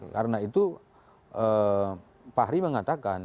karena itu fahri mengatakan